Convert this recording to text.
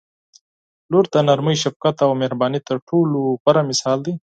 • لور د نرمۍ، شفقت او مهربانۍ تر ټولو غوره مثال دی.